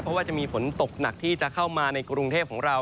เพราะว่าจะมีฝนตกหนักที่จะเข้ามาในกรุงเทพของเรา